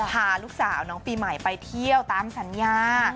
พาลูกสาวน้องปีใหม่ไปเที่ยวตามสัญญา